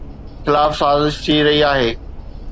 خلاف سازش ٿي رهي آهي